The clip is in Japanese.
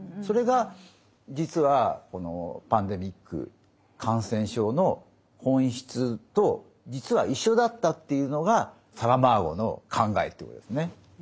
それが実はこのパンデミック感染症の本質と実は一緒だったっていうのがサラマーゴの考えということですね。